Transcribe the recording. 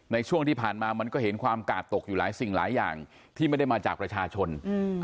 ในช่วงที่ผ่านมามันก็เห็นความกาดตกอยู่หลายสิ่งหลายอย่างที่ไม่ได้มาจากประชาชน